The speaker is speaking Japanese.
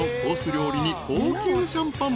料理に高級シャンパン］